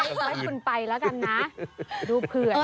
ไม่ว่าคุณไปแล้วกันนะดูเพื่อนนะ